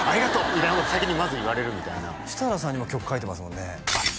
みたいなことを先にまず言われるみたいな設楽さんにも曲書いてますもんねあっ